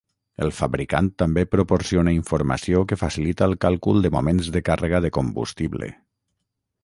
El fabricant també proporciona informació que facilita el càlcul de moments de càrrega de combustible.